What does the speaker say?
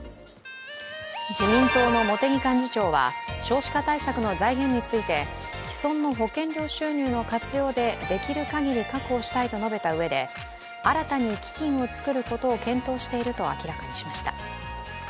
自民党の茂木幹事長は少子化対策の財源について既存の保険料収入の活用でできるかぎり確保したいと述べたうえで新たに基金を作ることを検討していると明らかにしました。